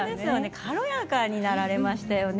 軽やかになられましたよね。